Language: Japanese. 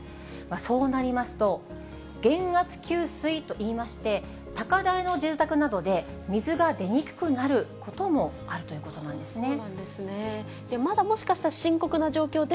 そうなりますと、減圧給水といいまして、高台の住宅などで、水が出にくくなることもあるということなんですね。